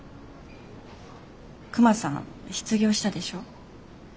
クマさん失業したでしょ？